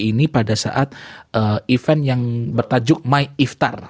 ini pada saat event yang bertajuk my iftar